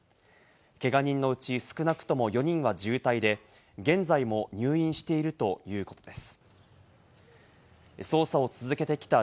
けが人のうち少なくとも４人は重体で、現在も入院しているということです。